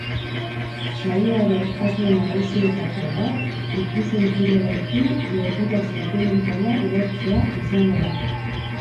Saioaren asmo nagusietako bat ikus-entzulearekin lotura sentimentala lortzea izango da.